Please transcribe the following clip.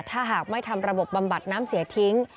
ถ้าหากไม่ทำระบบบำบัดน้ำเสียทิ้ง